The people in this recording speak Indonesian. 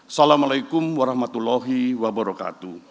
assalamu alaikum warahmatullahi wabarakatuh